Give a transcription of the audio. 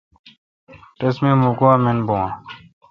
رس می مہ گوا من بھو اؘ۔